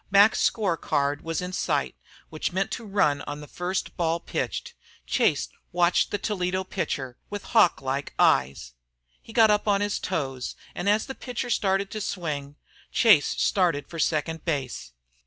Mac's score card was in sight, which meant to run on the first ball pitched. Chase watched the Toledo pitcher with hawk like eyes. He got up on his toes and as the pitcher started to swing, Chase started for second base.